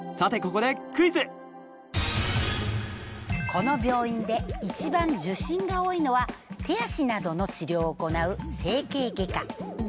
この病院で一番受診が多いのは手足などの治療を行う整形外科。